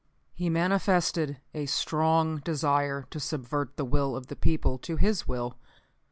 "He manifested a strong desire to subvert the will of the people to his will.